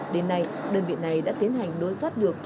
đến nay đơn vị này đã tiến hành đối soát được